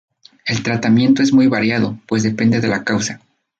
El tratamiento es muy variado, pues depende de la causa.